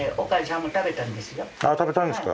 食べたんですか。